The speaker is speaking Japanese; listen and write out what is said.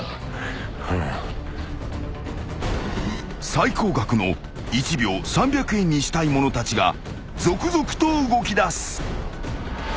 ［最高額の１秒３００円にしたい者たちが続々と動きだす］